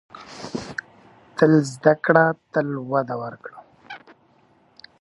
• تل زده کړه، تل وده وکړه.